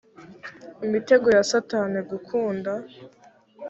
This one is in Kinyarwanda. imitego ya satani gukunda